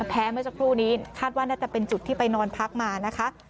แม้เมื่อสักครู่นี้คาดว่าน่าจะเป็นจุดที่ไปนอนพักมานะคะ